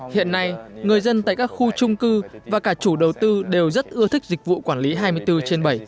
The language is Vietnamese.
hiện nay người dân tại các khu trung cư và cả chủ đầu tư đều rất ưa thích dịch vụ quản lý hai mươi bốn trên bảy